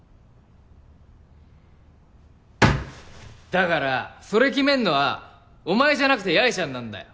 だからそれ決めんのはお前じゃなくて八重ちゃんなんだよ！